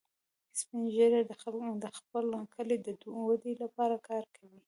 سپین ږیری د خپل کلي د ودې لپاره کار کوي